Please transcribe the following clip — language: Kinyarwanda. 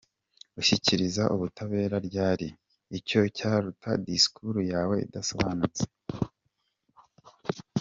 uzishyikiriza ubutabera ryari ?Icyo cyaruta discour yawe idasobanutse.